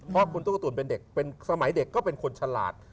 เพราะคุณตุ๊กตูนเป็นเด็กเป็นสมัยเด็กก็เป็นคนฉลาด